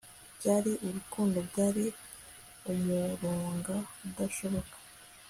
byari urukundo! ... byari umurunga udashoboka